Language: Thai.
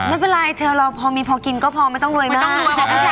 ไม่เป็นไรเธอเราพอมีพอกินก็พอไม่ต้องรวยมาก